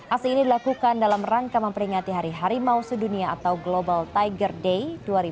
aksi ini dilakukan dalam rangka memperingati hari harimau sedunia atau global tiger day dua ribu dua puluh